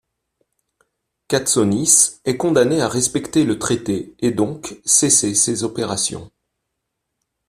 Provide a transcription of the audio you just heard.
Katsonis est condamné à respecter le traité, et donc cesser ses opérations.